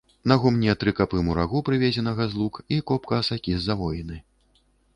На гумне тры капы мурагу, прывезенага з лук, і копка асакі з завоіны.